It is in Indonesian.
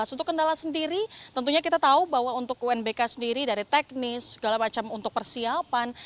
untuk kendala sendiri tentunya kita tahu bahwa untuk unbk sendiri dari teknis segala macam untuk persiapan